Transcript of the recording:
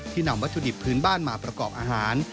นำวัตถุดิบพื้นบ้านมาประกอบอาหาร